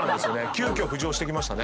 急きょ浮上してきましたね